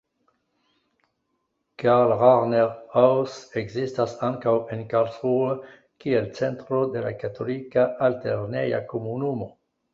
Karl-Rahner-Haus ekzistas ankaŭ en Karlsruhe kiel centro de la Katolika Alt-lerneja Komunumo.